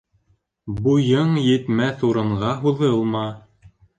Буйың етмәҫ урынға һуҙылма.